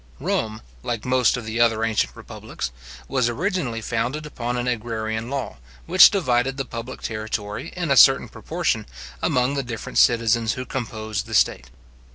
Rome, like most of the other ancient republics, was originally founded upon an agrarian law, which divided the public territory, in a certain proportion, among the different citizens who composed the state.